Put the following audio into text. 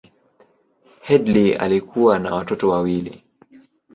Headlee alikuwa na watoto wawili.